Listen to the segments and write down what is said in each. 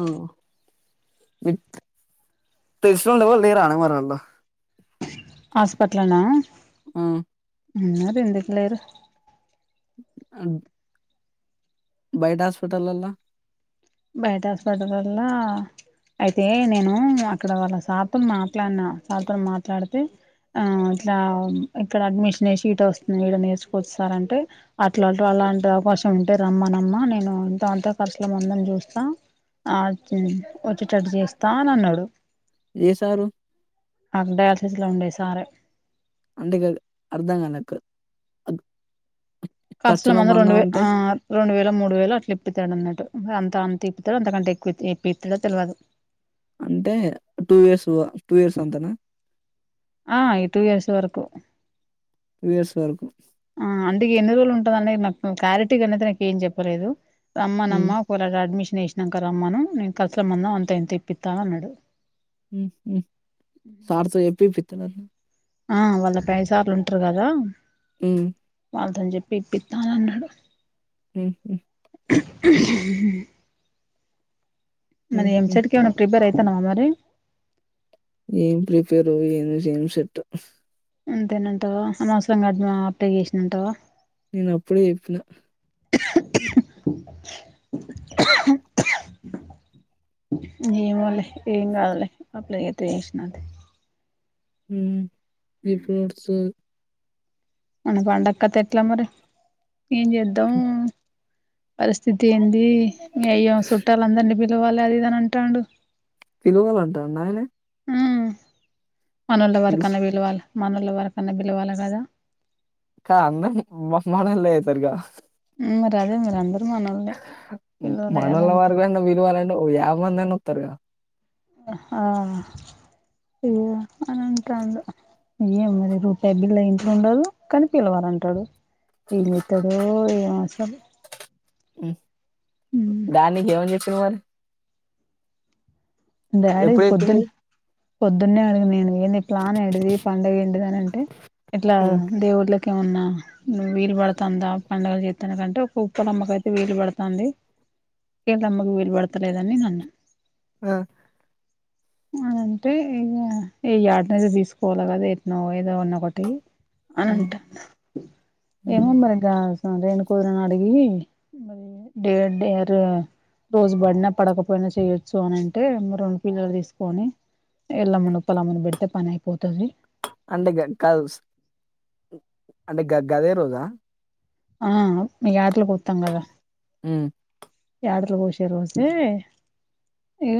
ఓ వి తెలిచండ పో న రాన మరంట హాస్పిటనా ఎందుకు లేరు అవును బయట హాస్పిటల్ అలా బయటస్పటారులా అయితే నేను అక్కడ వాళ్ళ సాాతలు మాట్లాడిన సాతలు మాట్లాడితే ఆ ఇట్లా ఇక్కడ అడ్మిషన్ వేసి ఈట వస్తుంది ఈడ నేర్చుకొస్తార అంటే అట్లాంటి వాళ్ళ ఇలాంటి అవకాశం ఉంటే రమ్మనమ్మా నేను ఎంత అంత ఖచులు మందని చూస్తాను ఆ ఒచ్చటటు చేస్తా అని అన్నాడు ఏ సారు? అక్కడ అలసస్లో ఉండేయి సార్ే అంటేగా అర్ధం కనక్క ఖర్చుల మంద రెండు వే ఆ రెండుేల మూడు వేలు అట్లా ఇప్పతాడు అన్నట్టు తాను తిప్పుతారు అంతకంటే ఎక్కు ఎప్పిస్తాడో తెలియదు అంటే టూ ఇయర్స్ టూ ఇయర్స్ అంతనా ఆ ఈ టూ ఇయర్స్ వరకు టూ ఇయర్స్ వరకు ఆ అంటకి ఎన్ని రోజులు ఉంటా క్లారిటీ అ నా ఏం చెప్పలేదు అమ్మమ్ అష వేసినాక ర అమ్మను నేను కలిసలమన్నా అంత ఎంత ఇప్పిస్తాను అన్నాడు సార్స ఏప్పపీ ఫిన ఆ వాళ్ళ పదిసార్లు ఉంటారు కదా ఏ పంతని చెప్పి ఇప్పిస్తాను అన్నాడు మ్ హు మరి ఎంచెట్ కి ఎమన్నా ప్రిపేర్ అయితనావా మరి? ఏం ప్రిపేరో ఏమి ఏం సెట్టో? అంతేనంటావ అనవసరంగా అద్మ్ అప్లై చేసినంటావ? నేను అప్పుడికి చెప్నా? ఏ మోలే ఏం కాదులే అప్లై చేత్తే చేసినాలే? ఉమ్ ఈ ఫ్రూట్సు మన పండక్క కథ ఎట్లా మరి ఏం చేద్దాం? పరిస్థితి ఏంది మీ అయ్య చుట్టాల అందరినీ పిలవాలి అది ఇదిని అంటాండు. పిలువాలంటాండ ఆయనే పిలుస్ మనోల్లవరకన్నా పిలవాలే మనలవరకన్నా బిలవాలే కదా? కా అన్న మొ మొనోళ్ళే అయితారుగా? మ్ అరే మది అందర్ మ్ అంటే మనోల్లవరకన్నా విలువాలంటే ఒక యాభ మంది అన్నా వత్తారు గా? ఆ ఏ అని అంటాండు. ఏమో మరి రూపాయి బిల్ల ఇంట్లో ఉండదు కానిపిలవాలంటాడు? ఏం చేత్తాడో ఏమో అసలు. మ్ మ్మ్ దానికి ఏవర్ చెప్పిర్రు మరి? డాడీ ఎప్పుడు పొద్దున్ చెప్పింది పొద్దున్నే అడిగిన నేను ఏంది ఇట్లా ప్లాన్ ఏటిది పండగ ఏంటిది అని అంటే ఇట్లా ఉమ్, దేవుళ్ళ కేమన్నా నువ్వు వీలు పడతాందా? పండుగ చేత్తన్నారు అంటే ఒక ఉప్పలమ్మక అయితే వీలు పడతాంది. కేంట్లమ్మకు వీల్ పడతలేదన్ని నన్న ఆ అంటే ఇక ఏ యార్డ్ నో తీసుకోవాల కదా ఎట్నో ఏదో ఉన్న ఒకటి అని ఉమ్, అంటా ఉమ్. ఏమో మరిగ రేణు కూతుర్ను అడిగి మరి డే డేర్రు రోజు బడిన పడకపోయినా చేయ్యొచ్చు అని అంటే మరెండు పిల్లలు తీసుకొని ఎల్లమును ఉప్పలమ్మను పెడితే పని అయిపోతది అంటే గ గదోస్ అంటే గ గదే రోజా ఆ మీ యాట్లకు వత్తాం కదా? ఉమ్ యాగట్లు కోషి రోజే ఇక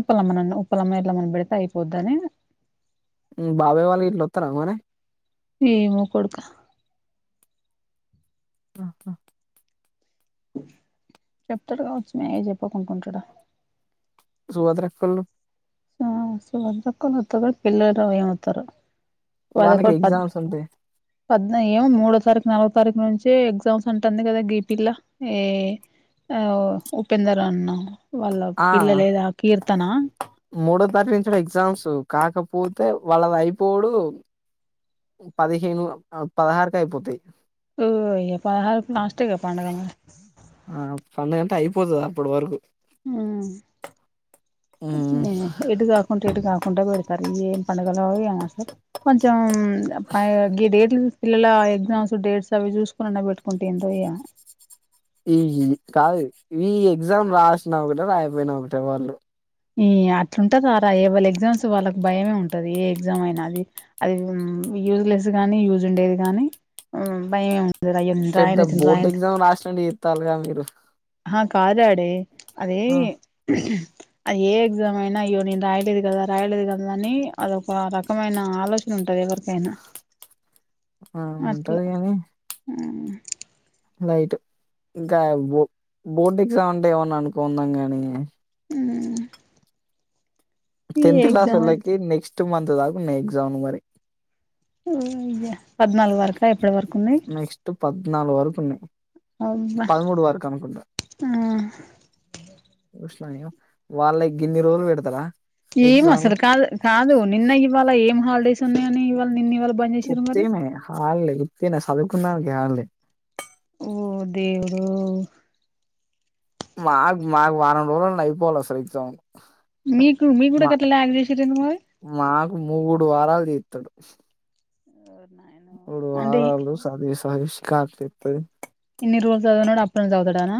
ఉప్పలమ్మనన్న ఉప్పలమ్మ ఎల్లమను బెడిత అయిపోద్దని బాబయ్ వాళ్ళకి గిట్ల వత్తారామరి? ఏమో కొడుక పా ప ప్ చెప్తాడు కావచ్చు మేయ్ చెప్పకుంకుంటడా? సుభద్రక్కోళ్ళు ఆ కొడ్ని పట్కోనొత్తారో పిల్లరో ఏమవుతారో? వాళ్ళకి ఎగ్జామ్స్ ఉంటాయ్. పద్మ్ ఏ మూడో తారీఖు నాలగో తారీఖు నుంచే ఎగ్జామ్స్ అంటంది కదా గీపిల్లా ఏ ఆ ఉపేందర అన్న వాళ్ళ ఆ పిల్ల లేదా కీర్తన మూడో తారీఖునుంచే ఎగ్జామ్స్ కాకపోతే వాళ్ళది అయిపోవుడు పదిహేను పదహారుకైపోతాయ్ ఓయ్ పదహారు లాస్ట్ గ పండుగ మరి పండగంతా అయిపోతది అప్పడి వరకు ఉమ్, ఎటు కాకుంట ఇటుకాకుంట పరు సర ఏం పండుగల సార్ కొంచెంపై డేట్లూ పిల్లలా ఎగ్జామ్స్ డేట్స్ అవి చూసుకునిన్నా పెట్టుకుంటా ఎంతోయ ఈ కాదు ఈ ఎగ్జామ్ రాసిన ఒకటే రాయిపోయినా ఒకటే వాళ్ళు ఈ అట్లుంటది రా ఎవలు ఎగ్జామ్స్ వాళ్ళకి భయమే ఉంటది ఏ ఎగ్జామ్ అయినా అది అది యూజ్లెస్ గానీ యూజ్ ఉండేవి గాని ఉ భయ ఇ ఈ పెద్ద నింద్రయన్ బోర్డ్ నింద్రయన్ ఎగ్జామ్ రాసినట్టు చెప్తారుగా మీరు కాదు డాడీ అది ఆ, అది ఏ ఎగ్జామ్ అయినా అయ్యో నేను రాయలేదు కదా రాయలేదు కదా అని అదో ఒక రకమైన ఆలోచన ఉంటది ఎవరికి కైనా ఆ, అట్లా ఉంటది కానీ లైట్ ఇంకా బో బోటిక్స్ అ అంటే ఏమన్నా అనుకుందాం ని ఉమ్ టెన్త్ క్లాస్ వాళ్కి నెక్స్ట్ మంత్ దాకా ఎక్జా మరి అ పద్నాలుగు వరకు ఎప్పటి వరకు ఉన్నాయి నాలుగు వరకు ఉన్నాయి పదమూడు వరకు అనుకుంటా [unintelligible] వాళ్ళ గిన్ని రోజులు పెడతారా ఏం ఎగ్జామ్ అసలు కాదు కాదు నిన్న ఇవాళ ఏం హాలిడేస్ ఉన్నాయని ఇవాళ నిన్ను ఇవాళ బంద్ చేసారు మరి హళ్లే గునా చదువుకున్నానికి హడలే ఓ దేవుడో మాకు మాకు వారండు రోజలు అయిపోవాల అస్సలు ఎక్సమ్ మీకు మీకు కూడా మా గట్లా లాగ్ చేసిరు ఎందుకు మరి మాకు మూడు వారాలు ట్టడు అ అడు వారాలుడు సది సధీషికార్తితుది ఇన్ని రోజలు చదువుడు అప్పుడు చదువుతడారా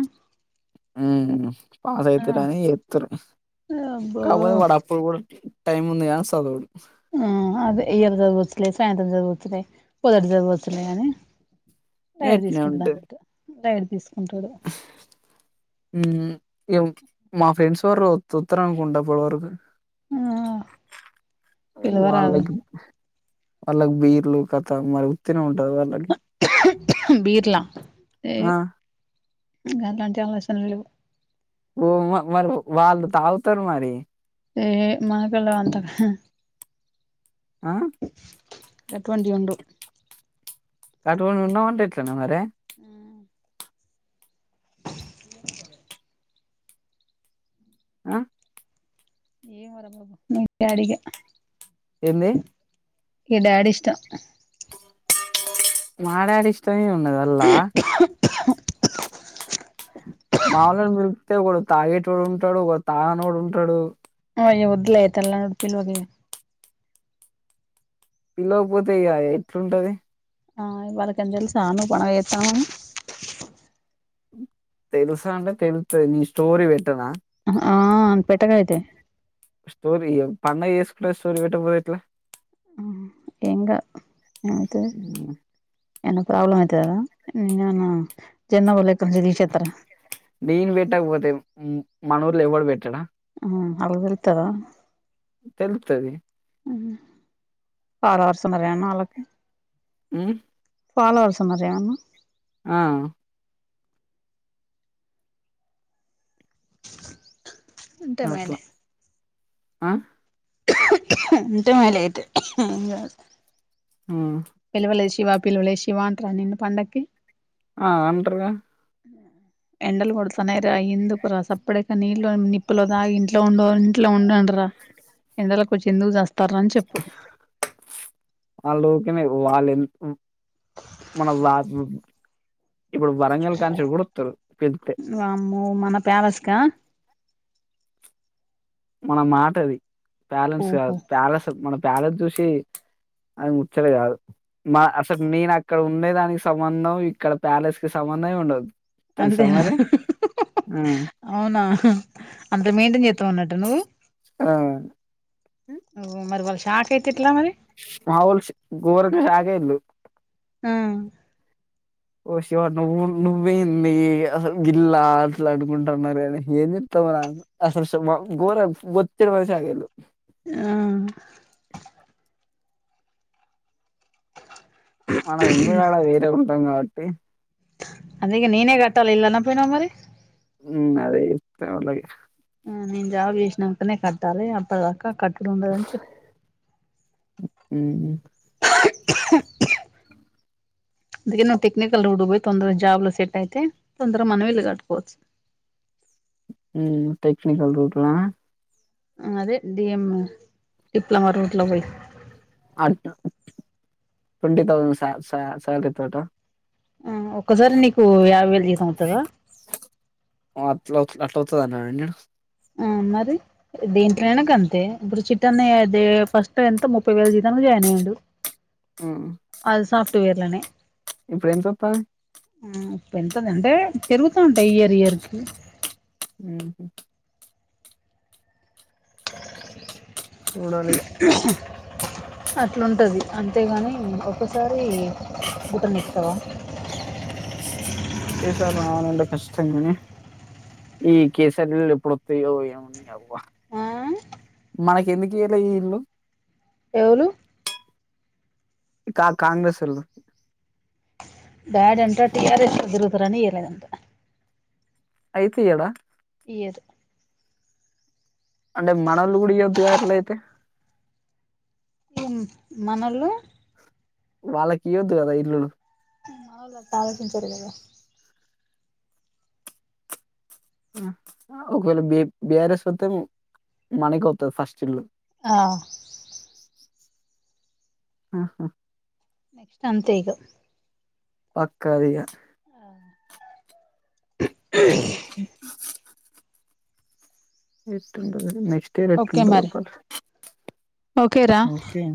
ఉ పాస్ అయితుర అని ఎతుారు అబ్బో కాపోతే వాడ అప్పుడు కూడా టైంది న్ సాదవుడదు ఆ అది ఇయరు చదువొచ్చులే సాయంత్ర చదువొచ్చులే పోదటి చదవొచ్చులే అనీ రైడ్ తీసుకుంటాడు అన్నట్టు రైడ్ మ్ మా ఫ్రెండ్స్ త్తరం తుతారు పోలవకు ఆ పిలవరాదు వాళ్లకి అలగ బీర్లు కథ మరి ఉతేనే ఉంట బీర్లా ఆ ఇంకా అలాంటి ఆలోచన లేవు ఓ మరి వాళ్ళు తాగుతారు మరి ఏ మనకళ అంత ఆ అటువంటి ఉండు కాటువడి ఉన్నా ఉంటా ఇట్నే మరి ఆ [inaudible] ఆ ఏం వరా బాబు మ అడిగా ఏంది మి డాడీ ఇష్ట మాడాడిష్టమే ఉండదల్లా మాముూలుని మిలిపితే ఒకడు తాగేటోడు ఉంటాడు ఒక తాగనోడు ఉంటాడు ఓ అయ్యా వద్దులే తెలని పిల్వకపోతే ఇగ ఎట్లుంటది. ఆ వాళ్ళక్ ఏమన్న తెల్సా ను పండగ చేత్తాన్నవని తెలుసా అంటే తెలుత్తది నీ స్టోరీ పె ఆ పెట్టకైతే స్టోరీ పండగ చేస్కుంటే స్టోరి పెట్టబుద్ అయితది. ఏం కాద్ ఏం అయితది. హ్మ్. ఏమన్న ప్రాబ్లమ్ అయితదనా [unintelligible] నేన్ పెట్టకపోతే మన ఊర్లో ఎవ్వడు పెట్టడా మ్ ఆళ్ళు పిల్తరా తెలుత్తది. ఫాలోవర్స్ ఉన్నరా ఏమన్న ఆళ్ళకి మ్ ఫాలోవర్స్ ఉన్నరా ఏమన్న ఆ ఉంటే అట్లా. ఏమైంది ఆ ఉంటే [unintelligible] మ్మ్ శివా పిలవలే శివాన్ నిన్ను పండకి ఆ అంటర్గా అ ఎండలు కొడుతాన్నయిరా ఎందుకురా సప్పడకా నీళ్ళో నిప్పులో దాగి ఇంట్లో ఉండు ఇంట్లో ఉండ రా ఎండలకొచ్చి ఎందుక్ స వాళ్ లోకనే వాళ్ళె మన వాసు ఇప్పుడు వరంగల్ కాంచి గుడత్తరు పిళ్తే ప్యాలస్క మన మాటది ప్యాలెంట్స్ ఓహో కాదు ప్యాలట్ మన ప్యాలస్ చూసి అది ముచ్చట కాదు మా అసల్ నేన్ అక్కడ ఉండే దానికి సంబంధం ఇక్కడ ప్యాలెస్కి సం బంధమే ఉండదు అంతే తెలుసా మరి? ఆ! అవునా అంత మెయింటెన్ చేత్తవన్నట్ట నువు. ఆ! మ్ మరి నాకైతే మావోల్ గోరంగా [inaudible] ఆ ఓ శివా నువ్వు నువైన్ది అసలు గిల్లా అట్లా అనుకుంటున్నారని ఏం జే అసలు [inaudible] గోరం బొచ్చెడు మనిషి ఆగిళ్లు ఆ మనం ఉండుడ్ ఆడ వేరే ఉంటం కాబట్టి అదే నేనే ఇగ కట్టాలె ఇల్లు అనక్ పోయినవ్ మరి మ్ అదే ఇస్త [unintelligible] ఆ నేన్ జాబ్ చేసినంకనే కట్టాలె అప్పటిదాకా కట్టుడు ఉండదని చెప్ మ్ టెక్నికల్ రూటుకు పోయి తొందర జాబ్లో సెట్ అయితే తొందర మనం కట్టుకోవచ్చు. మ్ టెక్నిికల్ రూట్లా అదే డిఎమ్ డిప్లొమా రూట్లో పోయి అంట ట్వంటి థౌసండ్ సా సా సాలరీతోట ఆ ఒక్కసారే నీకు యాభై వేల జీతం వత్తదా చౌతదన్ అనన్య ఆ మరి దేంట్లనైనా గంతే ఇప్పుడు చిట్టాన్నయ్య దే ఫస్ట్ ఎంత ముప్పై వేల జితన్ జాయిన్ ఆఇండు ఉమ్, అది సాఫట్ వేర్లనే ఇప్పుడు ఏంతోతంది పెంతుందంటే తెరుగుతుంటయ్ ఇయర్ ఇయర్కి మ్ హు చూడాలి అట్లుంటది అంతేగాని ఒకసారి బుట్టనిప్తావా అవునండి కష్టం గని ఈ కేసరి ఇప్పుడోత్తయో ఏమో ని అవ్వ ఆ మనకి ఎందుకు ఇయ్యాలే ఈ ఇల్లు ఎవులు కా కాంగ్రెస్ సొళ్ళు డ్యాడంట టి ఆర్ స్ కు తిరుగుతాడు అని ఇయ్యాలేదంట అయితే ఇయ్యడా ఇయ్యారు అంటే మనోళ్లు కూడా ఇయ్యొద్దు గా అట్లయితే హు మనోళ్లు వాళ్ళకి ఇయ్వద్దు కదా ఇల్లులు మనోళ్ళు అట్లా ఆలోచించరు కదా ఒకవేళ బి బిఆర్ఎస్ వస్తే మనకే వతది ఫస్ట్ ఇల్లు ఆ ఆహా నెక్స్ట్ అంతేఇగ పక్క అది ఇగ ఎట్లుంటదో నేక్ క్ట్ ఇయర్ ఓకే ఎట్లుంటదో మరి పట్ ఓకే రా ఒకే